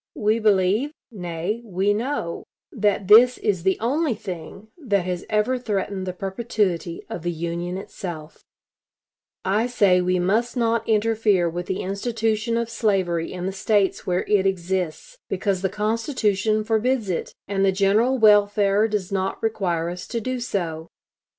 We believe nay, we know, that this is the only thing that has ever threatened the perpetuity of the Union itself.... Lincoln Cincinnati Speech, Sept. 17, 1859. Debates, pp. 267 8. I say we must not interfere with the institution of slavery in the States where it exists, because the Constitution forbids it, and the general welfare does not require us to do so.